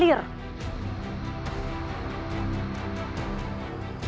jurus itu membuatmu merah